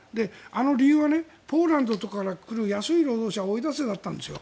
あの理由はポーランドとかから来る安い労働者を追い出せだったんですよ。